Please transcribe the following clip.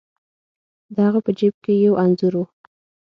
د هغه په جیب کې یو انځور و.